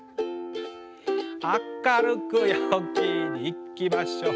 「明るく陽気にいきましょう」